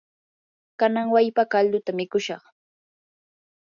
kanan wallpa kalduta mikushaq.